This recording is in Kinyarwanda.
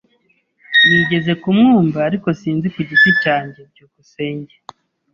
Nigeze kumwumva, ariko sinzi ku giti cyanjye. byukusenge